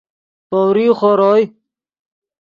پؤریغ خور اوئے